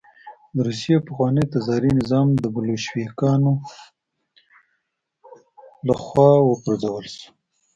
د روسیې پخوانی تزاري نظام د بلشویکانو له خوا وپرځول شو